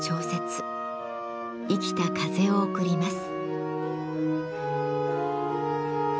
生きた風を送ります。